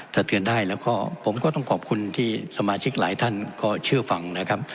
ถ้าเตือนได้แล้วก็ผมก็ต้องขอบคุณที่สมาชิกหลายท่านก็เชื่อฟังนะครับ